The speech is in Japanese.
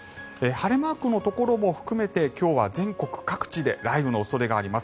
晴れマークのところも含めて今日は全国各地で雷雨の恐れがあります。